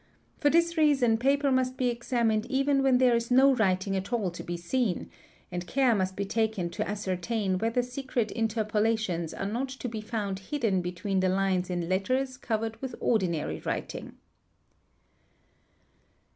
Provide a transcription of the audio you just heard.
For this reason paper must be examined even where there is no writing at all to be seen, and care must be taken to ascertain whether secret interpolations are not to be found hidden between the lines in letters covered with ordinary writing.